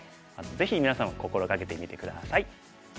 ぜひみなさんも心掛けてみて下さい。